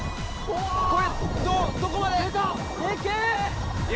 これどこまで？